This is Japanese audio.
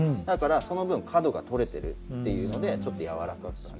だからその分角が取れてるっていうのでやわらかく。